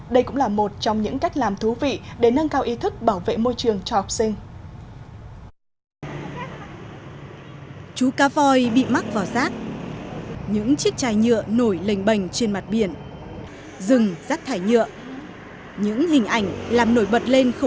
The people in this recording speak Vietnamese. đây cũng là một trong những cách làm thú vị để nâng cao ý thức bảo vệ môi trường cho học sinh